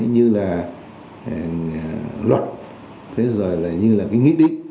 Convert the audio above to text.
như là luật như là nghĩ định